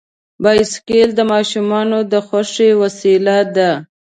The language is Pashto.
بایسکل د ماشومانو د خوښۍ وسیله ده.